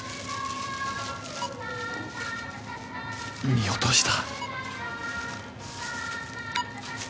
見落とした